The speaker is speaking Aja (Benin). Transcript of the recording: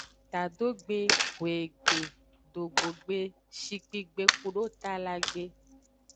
Tadogbe, hwegbe, dogbogbe, shikpigbe kudo talagbe.